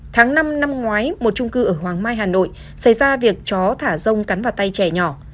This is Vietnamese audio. tháng năm năm ngoái một trung cư ở hoàng mai hà nội xảy ra việc chó thả rông cắn vào tay trẻ nhỏ